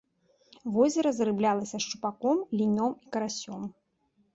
Возера зарыблялася шчупаком, лінём і карасём.